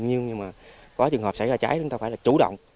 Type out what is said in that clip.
nhưng mà có trường hợp xảy ra cháy chúng ta phải là chủ động